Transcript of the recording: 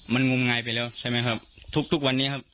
มันงุมงายไปแล้ว